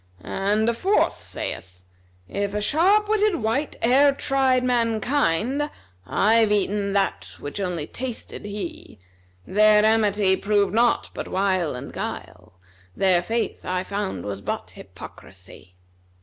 And a fourth saith, 'If a sharp witted wight e'er tried mankind, * I've eaten that which only tasted he:[FN#257] Their amity proved naught but wile and guile, * Their faith I found was but hypocrisy.'"